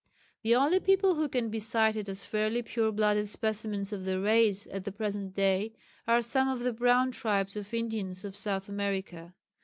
The only people who can be cited as fairly pure blooded specimens of the race at the present day are some of the brown tribes of Indians of South America.